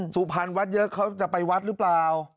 สุพรรณวัดเยอะเขาจะไปวัดหรือเปล่า